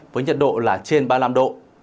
với nhiệt độ là trên ba mươi năm độ